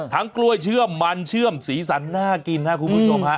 กล้วยเชื่อมมันเชื่อมสีสันน่ากินครับคุณผู้ชมฮะ